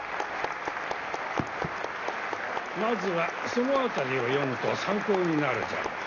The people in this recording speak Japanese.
まずはその辺りを読むと参考になるじゃろう。